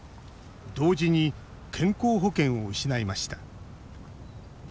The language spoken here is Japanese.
同時に健康保険を失いました。